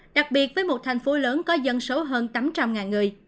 đặc biệt với một thành phố lớn có dân số hơn tám trăm linh người